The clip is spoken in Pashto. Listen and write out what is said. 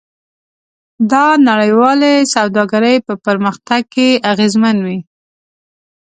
دا نړیوالې سوداګرۍ په پرمختګ کې اغیزمن وي.